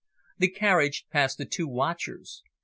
The carriage passed the two watchers.